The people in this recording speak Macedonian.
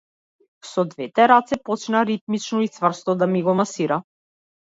Со двете раце почна ритмично и цврсто да ми го масира.